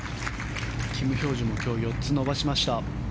キム・ヒョージュも今日４つ伸ばしました。